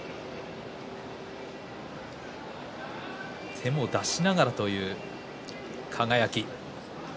手も出しながらという輝。